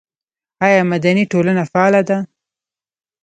آیا مدني ټولنه فعاله ده؟